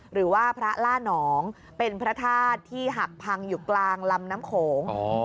หรือว่าพระล่านองเป็นพระธาตุที่หักพังอยู่กลางลำน้ำโขง